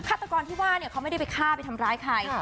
ฆาตกรที่ว่าเนี่ยเขาไม่ได้ไปฆ่าไปทำร้ายใคร